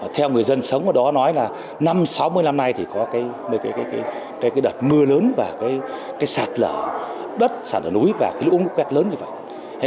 theo người dân sống ở đó nói là năm sáu mươi năm nay thì có cái đợt mưa lớn và cái sạt lở đất sạt lở núi và cái lũ lũ quét lớn như vậy